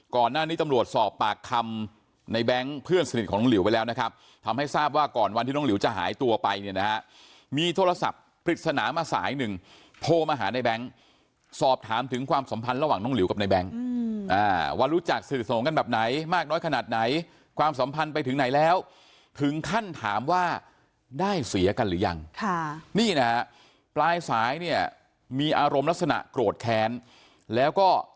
ก่อนหน้านี้ตำรวจสอบปากคำในแบงค์เพื่อนสนิทของน้องหลิวไปแล้วนะครับทำให้ทราบว่าก่อนวันที่น้องหลิวจะหายตัวไปเนี่ยนะครับมีโทรศัพท์ปริศนามาสายหนึ่งโทรมาหาในแบงค์สอบถามถึงความสัมพันธ์ระหว่างน้องหลิวกับในแบงค์ว่ารู้จักสนิทสนองกันแบบไหนมากน้อยขนาดไหนความสัมพันธ์ไปถึงไหนแล้